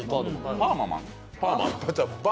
パーママン？